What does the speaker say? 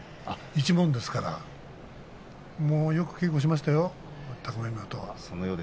一門ですからよく稽古しましたよ、高見山とは。